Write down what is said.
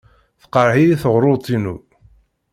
Teqreḥ-iyi teɣruḍt-inu.